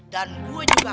dan gue juga